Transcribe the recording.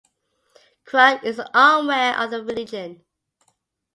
Krug is unaware of the religion.